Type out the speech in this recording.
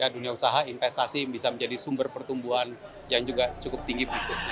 dunia usaha investasi bisa menjadi sumber pertumbuhan yang juga cukup tinggi